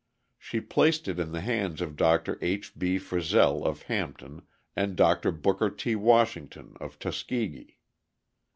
She placed it in the hands of Dr. H. B. Frissell of Hampton and Dr. Booker T. Washington of Tuskegee.